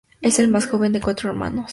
Es el más joven de cuatro hermanos.